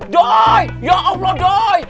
doi ya allah doi